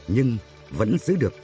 nhưng vẫn giữ được